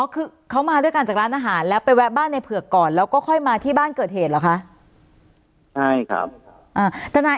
คือเขามาด้วยกันจากร้านอาหารแล้วไปแวะบ้านในเผือกก่อนแล้วก็ค่อยมาที่บ้านเกิดเหตุเหรอคะใช่ครับ